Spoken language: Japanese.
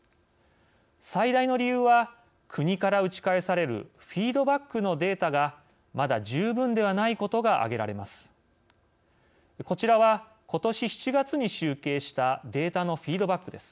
最大の理由は国から打ち返されるフィードバックのデータがまだ十分ではないことが挙げられます。